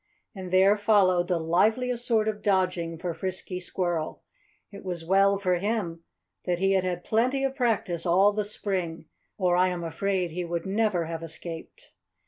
And there followed the liveliest sort of dodging for Frisky Squirrel. It was well for him that he had had plenty of practice all the spring, or I am afraid he would never have escaped.